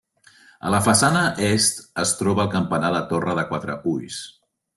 A la façana est es troba el campanar de torre de quatre ulls.